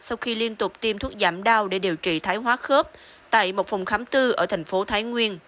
sau khi liên tục tiêm thuốc giảm đau để điều trị thái hóa khớp tại một phòng khám tư ở thành phố thái nguyên